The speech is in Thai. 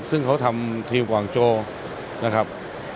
ซึ่งเขาทำทีมกว่างโจนะครับ